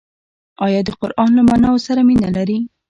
انا د قران له معناوو سره مینه لري